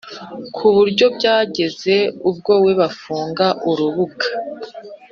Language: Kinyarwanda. kuburyo byageze ubwo we bafunga urubuga